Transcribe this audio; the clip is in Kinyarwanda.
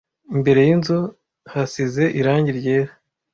Imbere yinzu hasize irangi ryera.